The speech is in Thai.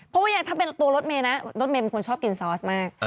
เฮ้ยถ้าเป็นตัวรถเมย์นะรถเมย์มันควรชอบกินซอสมาก